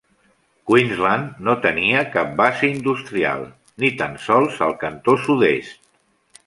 Queensland no tenia cap base industrial, ni tan sols al cantósud-est.